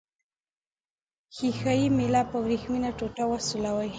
ښيښه یي میله په وریښمینه ټوټې وسولوئ.